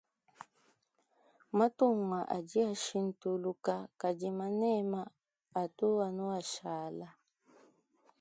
Matunga adi ashintuluka kadi manema atu anu ashala.